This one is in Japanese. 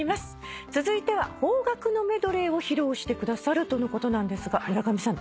続いては邦楽のメドレーを披露してくださるとのことなんですが村上さん